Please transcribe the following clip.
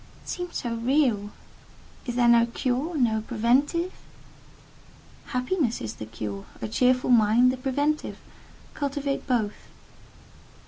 It seemed so real. Is there no cure?—no preventive?" "Happiness is the cure—a cheerful mind the preventive: cultivate both."